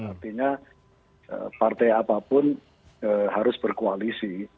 artinya partai apapun harus berkoalisi